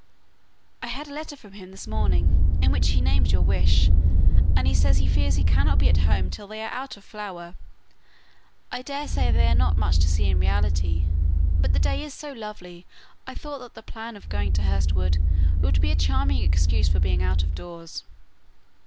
"I had a letter from him this morning, in which he named your wish, and he says he fears he cannot be at home till they are out of flower. I daresay they are not much to see in reality, but the day is so lovely I thought that the plan of going to Hurst Wood would be a charming excuse for being out of doors."